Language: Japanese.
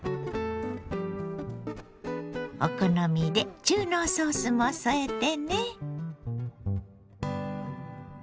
お好みで中濃ソースも添えてね。